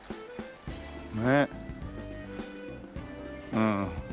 ねえうん。